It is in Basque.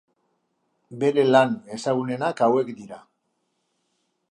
Bere lan ezagunenak hauek dira.